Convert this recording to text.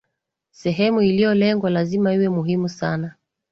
sehemu iliyolengwa lazima iwe muhimu sana